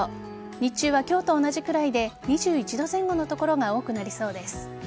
日中は今日と同じくらいで２１度前後の所が多くなりそうです。